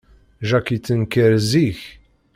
Jack yettenkar zik.